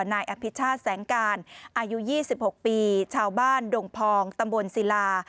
นายอภิชาติแสงการอายุ๒๖ปีชาวบ้านดงพองตำบลศิลา